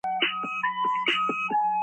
პარტიის ხელმძღვანელი ორგანოა მთავარი საბჭო.